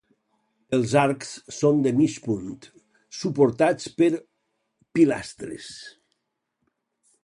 Els arcs són de mig punt, suportats per pilastres.